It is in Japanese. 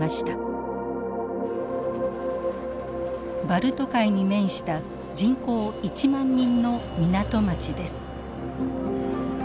バルト海に面した人口１万人の港町です。